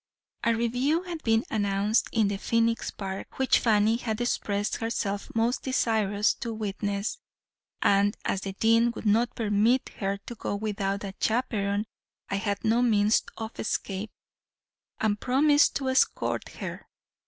A review had been announced in the Phoenix park, which Fanny had expressed herself most desirous to witness; and as the dean would not permit her to go without a chaperon, I had no means of escape, and promised to escort her.